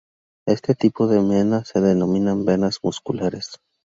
Este tipo de venas se denominan "venas musculares".